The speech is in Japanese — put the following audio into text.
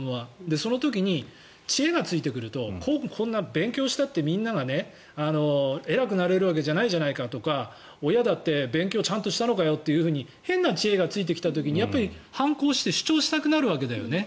その時に、知恵がついてくるとこんな勉強したってみんなが偉くなれるわけないじゃないかとか親だって勉強ちゃんとしたのかよって変な知恵がついてきた時に反抗して主張したくなるわけだよね。